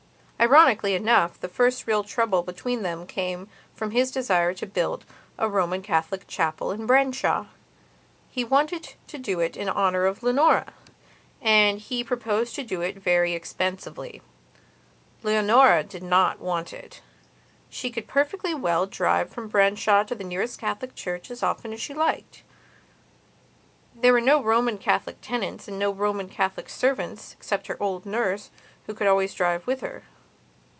Ironically enough, the first real trouble between them came from his desire to build a Roman Catholic chapel at Branshaw. He wanted to do it to honour Leonora, and he proposed to do it very expensively. Leonora did not want it; she could perfectly well drive from Branshaw to the nearest Catholic Church as often as she liked. There were no Roman Catholic tenants and no Roman Catholic servants except her old nurse who could always drive with her.